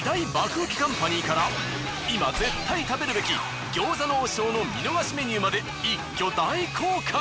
ウケカンパニーから今絶対食べるべき餃子の王将の見逃しメニューまで一挙大公開！